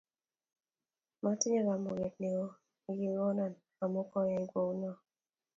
motinye kamuget neoo nekinomon omu kayai kou noe